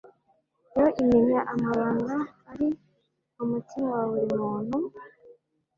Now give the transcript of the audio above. yo imenya amabanga ari mu mutima wa buri muntu?